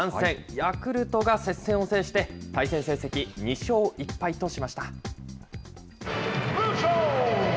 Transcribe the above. ヤクルトが接戦を制して、対戦成績２勝１敗としました。